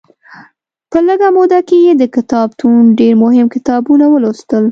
په لږه موده کې یې د کتابتون ډېر مهم کتابونه ولوستل.